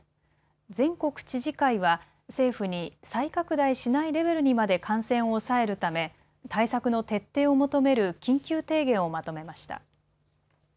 全国知事会は政府に再拡大しないレベルにまで感染を抑えるため対策の徹底を求める緊急提言をまとめました。